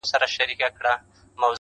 • په هغه ورځ د قیامت په ننداره سي -